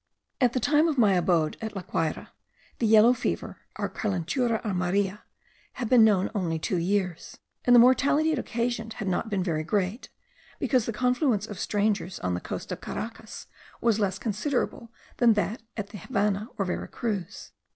At the time of my abode at La Guayra, the yellow fever, or calentura amarilla, had been known only two years; and the mortality it occasioned had not been very great, because the confluence of strangers on the coast of Caracas was less considerable than at the Havannah or Vera Cruz.